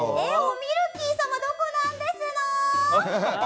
ミルキー様どこなんですの！